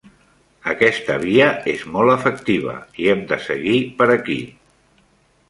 Aquesta via és molt efectiva i hem de seguir per aquí.